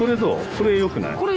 これよくない？